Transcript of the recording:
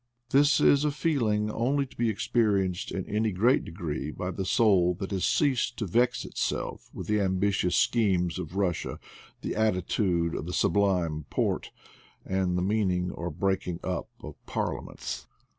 This is a feeling only to be experienced in any great degree by the soul that has ceased to vex itself with the ambitious schemes of Bussia, the attitude of the Sublime Porte, and the meeting or breaking up of parliaments.